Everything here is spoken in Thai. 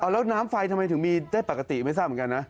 แล้วน้ำไฟทำไมถึงมีได้ปกติไม่ทราบเหมือนกันนะ